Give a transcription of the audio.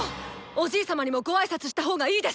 おじい様にもご挨拶した方がいいですか